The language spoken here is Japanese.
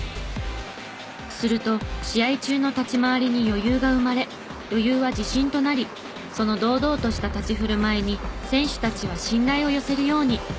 すると試合中の立ち回りに余裕が生まれ余裕は自信となりその堂々とした立ち振る舞いに選手たちは信頼を寄せるように。